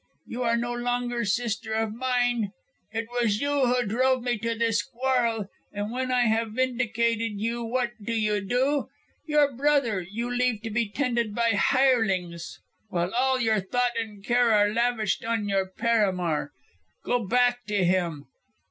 "You are no longer sister of mine. It was you who drove me to this quarrel, and when I have vindicated you what do you do? Your brother you leave to be tended by hirelings, while all your thought and care are lavished on your paramour. Go back to him.